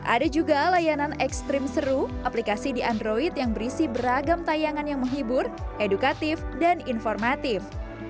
ada juga layanan ekstrim seru aplikasi di android yang berisi beragam tayangan yang menghibur edukatif dan informatif